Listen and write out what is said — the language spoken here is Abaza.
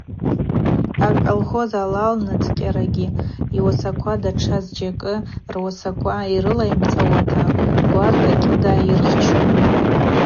Аколхоз алалнацӏкӏьарагьи йуасаква, датша зджьакӏы руасаква йрылайымцӏауата, гварта кӏьыдата йырхчун.